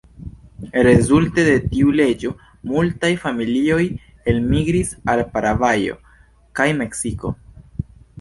Rezulte de tiu leĝo multaj familioj elmigris al Paragvajo kaj Meksiko.